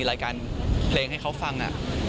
เพราะว่ามีศิลปินดังมาร่วมร้องเพลงรักกับหนูโตหลายคนเลยค่ะ